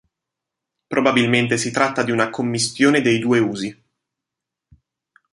Probabilmente si tratta di una commistione dei due usi.